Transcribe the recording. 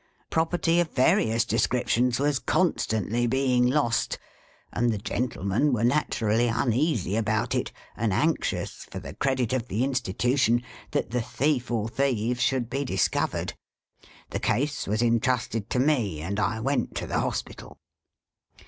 Property of various descriptions was constantly being lost ; and the gentlemen were naturally uneasy about it, and anxious, for the credit of the Institution, that the thief or thieves should be discovered. The case was entrusted to me, and I went to the Hos pital.